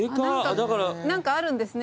何かあるんですね